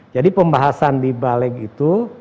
jadi pembahasan di baleg itu